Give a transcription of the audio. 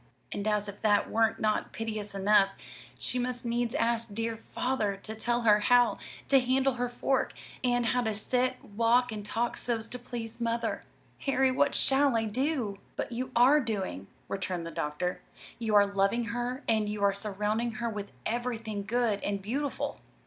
And as if that were not piteous enough, she must needs ask the dear Father to tell her how to handle her fork, and how to sit, walk, and talk so's to please mother. Harry, what shall I do?" "But you are doing," returned the doctor. "You are loving her, and you are surrounding her with everything good and beautiful."